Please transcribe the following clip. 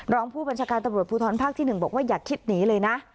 รองผู้บัญชาการตำรวจภูทรภาคที่๑บอกว่าอย่าคิดหนีเลยนะ